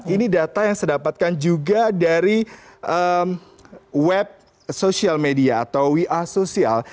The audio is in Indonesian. ini data yang saya dapatkan juga dari web sosial media atau we are social